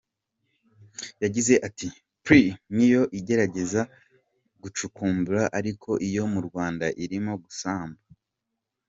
Yagize ati “Print niyo igerageza gucukumbura ariko iyo mu Rwanda irimo gusamba”.